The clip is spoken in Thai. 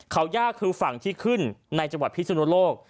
เขาย่าคือฝั่งที่ขึ้นในจังหวัดพิสุนโลก